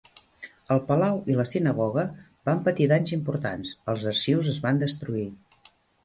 El palau i la sinagoga van patir danys importants, els arxius es van destruir.